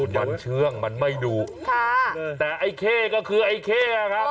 มันเชื่องมันไม่ดุค่ะแต่ไอ้เข้ก็คือไอ้เข้ครับ